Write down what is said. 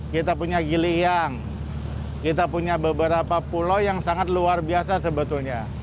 kita punya giliyang kita punya beberapa pulau yang sangat luar biasa sebetulnya